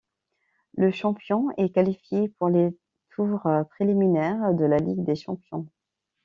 Le champion est qualifié pour les tours préliminaires de la Ligue des champions.